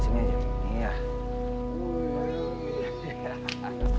sini hari desa